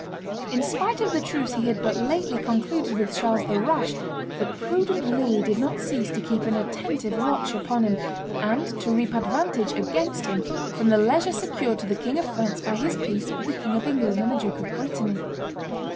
In spite of the truce he had but lately concluded with Charles the Rash, the prudent Louis did not cease to keep an attentive watch upon him, and to reap advantage, against him, from the leisure secured to the King of France by his peace with the King of England and the Duke of Brittany.